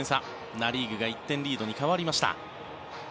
ナ・リーグが１点リードに変わりました。